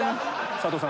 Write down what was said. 佐藤さん